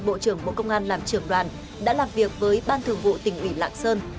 bộ trưởng bộ công an làm trưởng đoàn đã làm việc với ban thường vụ tỉnh ủy lạng sơn